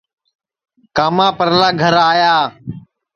کاما پرلا گھر آیا